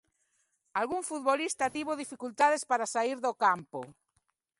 Algún futbolista tivo dificultades para saír do campo.